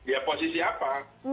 ya posisi apa